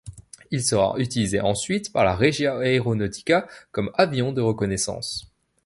Il sera utilisé ensuite par la Regia Aeronautica comme avion de reconnaissance.